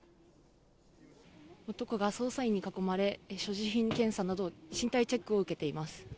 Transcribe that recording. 男が捜査員に囲まれ、所持品検査など、身体チェックを受けています。